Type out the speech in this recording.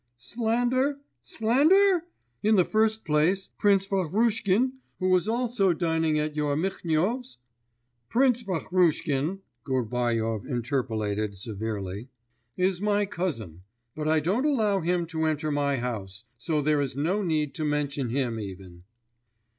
'Slander? ... slander? In the first place, Prince Vahrushkin, who was also dining at your Mihnyov's ' 'Prince Vahrushkin,' Gubaryov interpolated severely, 'is my cousin; but I don't allow him to enter my house.... So there is no need to mention him even.